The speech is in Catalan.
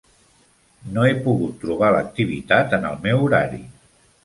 No he pogut trobar l'activitat en el meu horari.